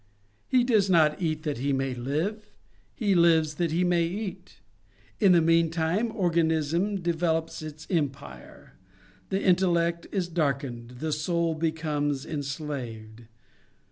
He does not eat that he may live; he lives that he may eat. In the meantime, organism develops its empire; the intellect is darkened, the soul becomes enslaved.